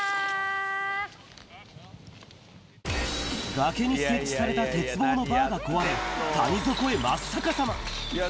崖に設置された鉄棒のバーが壊れ、谷底へ真っ逆さま。